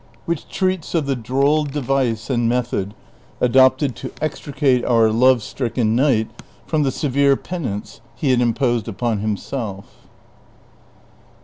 WHICH TREATS OF THE DROLL DEVICE AXD METHOD ADOPTED TO EXTRICATE OUR LO^^ STRICKEN KNIGHT FROM THE SEVERE PENANCE HE HAD IMPOSED UPON HIMSELF.